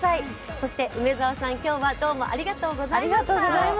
そして梅澤さん、今日はどうもありがとうございました。